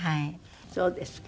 そうですか。